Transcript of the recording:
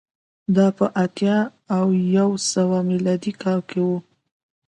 دا په اتیا او یو سوه میلادي کال کې و